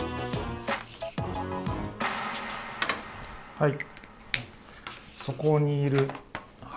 はい。